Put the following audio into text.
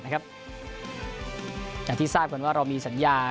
นะครับอย่างที่ทราบก่อนว่าเรามีสัญญา